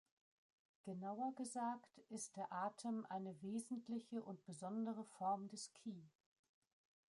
Genauer gesagt, ist der Atem eine wesentliche und besondere Form des Ki.